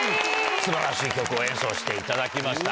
素晴らしい曲を演奏していただきました。